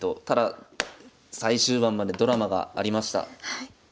ただ最終盤までドラマがありました。